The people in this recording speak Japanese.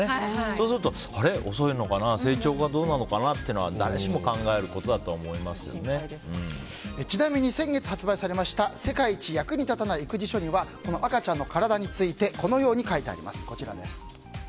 そうすると、あれ？遅いのかな成長がどうなのかなっていうのは誰しもちなみに先月発売されました「世界一役に立たない育児書」に赤ちゃんの体についてこのように書いてあります。